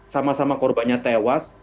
sama sama korbannya tewas